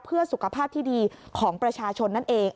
เพื่อสุขภาพที่ดีของประชาชนนั่นเอง